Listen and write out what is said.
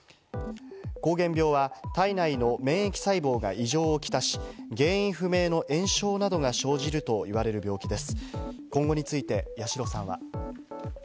膠原病は体内の免疫細胞が異常をきたし、原因不明の炎症などが生じるといわれる病気です。